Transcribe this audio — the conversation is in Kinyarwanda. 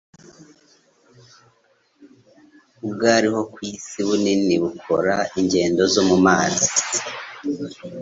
ubwariho ku isi bunini bukora ingendo zo mu mazi